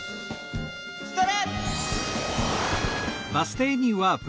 ストレッ！